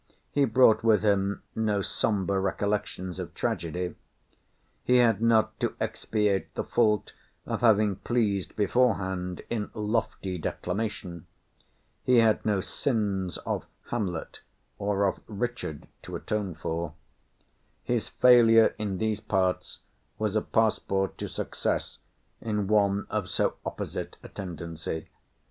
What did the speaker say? He brought with him no sombre recollections of tragedy. He had not to expiate the fault of having pleased beforehand in lofty declamation. He had no sins of Hamlet or of Richard to atone for. His failure in these parts was a passport to success in one of so opposite a tendency.